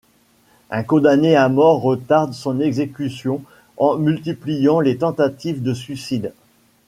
Un condamné à mort retarde son exécution en multipliant les tentatives de suicide.